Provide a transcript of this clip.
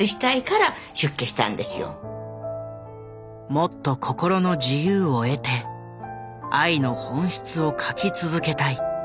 もっと心の自由を得て愛の本質を書き続けたい。